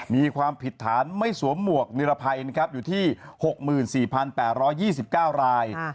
มีความผิดฐานไม่สวมหมวกนิรภัยอยู่ที่๖๔๘๒๙ราย